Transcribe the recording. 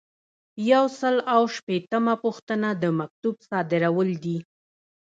یو سل او شپیتمه پوښتنه د مکتوب صادرول دي.